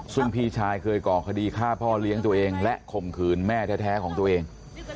ซึ่งพี่ชายเคยก่อคดีฆ่าพ่อเลี้ยงตัวเองและข่มขืนแม่แท้ของตัวเอง